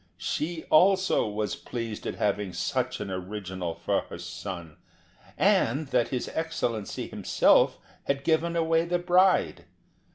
She also was pleased at having such an original for her son, and that his Excellency himself had given away the bride.